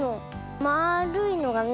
まあるいのがね